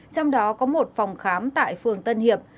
trong đó có một phòng khám tại phường tân hiệp